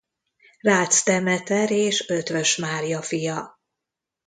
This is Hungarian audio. Rácz Demeter és Eötvös Mária fia.